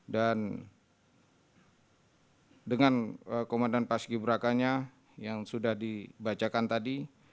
dan dengan komandan pak ski brakanya yang sudah dibacakan tadi